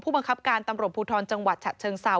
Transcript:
บังคับการตำรวจภูทรจังหวัดฉะเชิงเซา